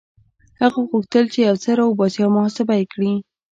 هغه غوښتل چې يو څه را وباسي او محاسبه يې کړي.